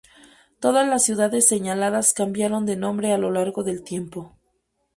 Todas las ciudades señaladas cambiaron de nombre a lo largo del tiempo.